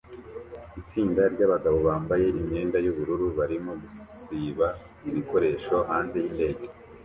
Itsinda ryabagabo bambaye imyenda yubururu barimo gusiba ibikoresho hanze yindege